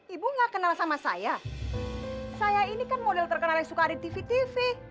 ibu gak kenal sama saya saya ini kan model terkenal yang suka ada tv tv